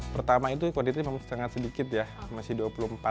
pertama itu kuantitasnya memang sangat sedikit ya masih dua puluh empat